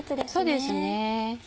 そうですね。